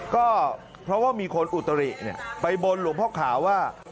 ก็เพราะว่ามีคนอุตริไปบนหลวงพ่อขาวว่า